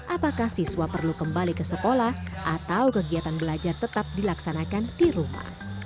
apakah siswa perlu kembali ke sekolah atau kegiatan belajar tetap dilaksanakan di rumah